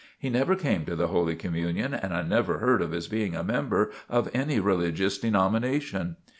He never came to the Holy Communion, and I never heard of his being a member of any religious denomination.